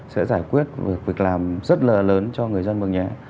sẽ giải quyết việc làm rất là lớn cho người dân mường nhé